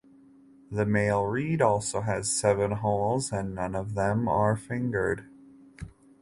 The male reed also has seven holes and none of them are fingered.